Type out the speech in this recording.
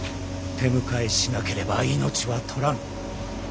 手向かいしなければ命は取らぬ。